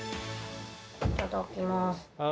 いただきます。